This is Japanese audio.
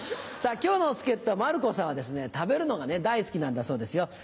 今日の助っ人馬るこさんは食べるのが大好きなんだそうですよ。